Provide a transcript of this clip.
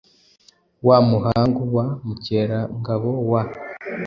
wa Muhangu wa Mukerangabo wa